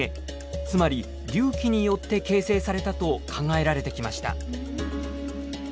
つまり隆起によって形成されたと考えられてきました。